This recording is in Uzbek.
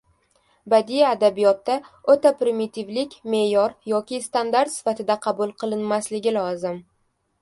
Badiiy adabiyotda o‘ta primitivlik me’yor yoki standart sifatida qabul qilinmasligi lozim.